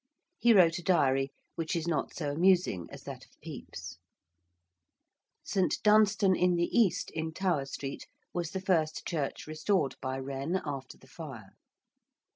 He wrote a diary, which is not so amusing as that of Pepys (see Chapter LI.) ~St. Dunstan in the East~, in Tower Street, was the first church restored by Wren after the fire.